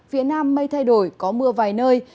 phía nam mây thay đổi có mưa vài nơi